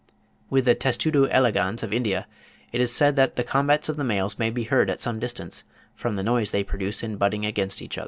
With the Testudo elegans of India, it is said "that the combats of the males may be heard at some distance, from the noise they produce in butting against each other."